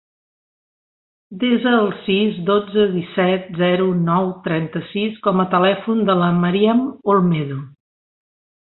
Desa el sis, dotze, disset, zero, nou, trenta-sis com a telèfon de la Maryam Olmedo.